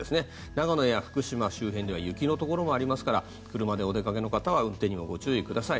長野や福島周辺では雪のところもありますから車でお出かけの方は運転にはご注意ください。